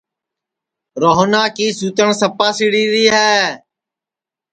روہنا کی سوتن سپا سِڑی ری ہے